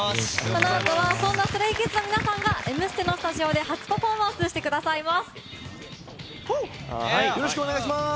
このあとはそんなＳｔｒａｙＫｉｄｓの皆さんが「Ｍステ」のスタジオで初パフォーマンスしてくださいます。